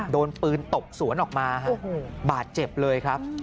โดนปืนตบสวนออกมาบาดเจ็บเลยครับ